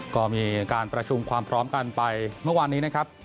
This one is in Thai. ก็มีการประชุมความพร้อมกันไปเมื่อวานนี้นะครับ